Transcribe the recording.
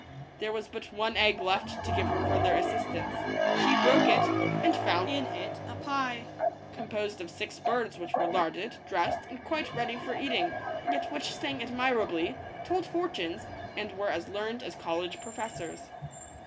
There was but one egg left to give her further assistance. She broke it, and found in it a pie, composed of six birds which were larded, dressed, and quite ready for eating, yet which sang admirably, told fortunes, and were as learned as college professors.